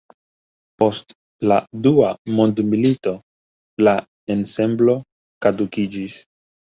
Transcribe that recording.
Post la Dua mondmilito la ensemblo kadukiĝis.